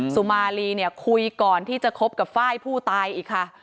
สุมารีเนี่ยคุยก่อนที่จะคบกับไฟล์ผู้ตายอีกค่ะ